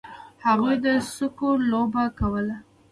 هغوی د سکو لوبه کوله.